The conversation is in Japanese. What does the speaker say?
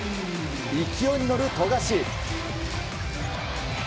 勢いに乗る富樫。